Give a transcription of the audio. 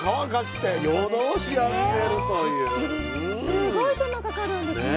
すごい手間かかるんですね。